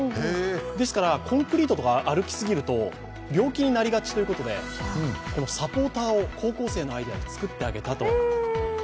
ですから、コンクリートとか歩きすぎると病気になりがちということで、サポーターを高校生のアイデアで作ってあげたと。